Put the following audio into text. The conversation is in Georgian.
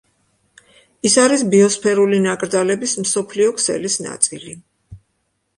ის არის ბიოსფერული ნაკრძალების მსოფლიო ქსელის ნაწილი.